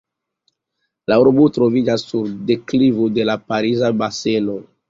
La urbo troviĝas sur deklivo de la Pariza Baseno.